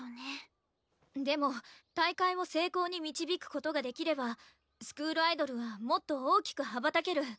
でも大会を成功に導く事ができればスクールアイドルはもっと大きく羽ばたける。